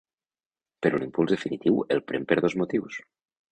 Però l’impuls definitiu el pren per dos motius.